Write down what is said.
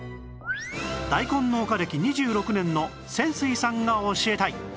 大根農家歴２６年の泉水さんが教えたい